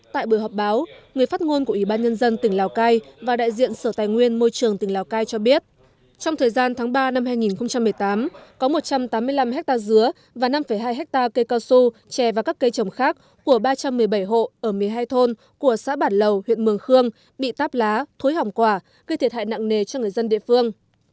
tại bữa họp báo người phát ngôn của ủy ban nhân dân tỉnh lào cai và đại diện sở tài nguyên môi trường tỉnh lào cai cho biết trong thời gian tháng ba năm hai nghìn một mươi tám có một trăm tám mươi năm hectare dứa và năm hai hectare cây cao su chè và các cây trồng khác của ba trăm một mươi bảy hộ ở một mươi hai thôn của xã bản lầu huyện mường khương bị tắp lá thối hỏng quả gây thiệt hại nặng nề cho người dân địa phương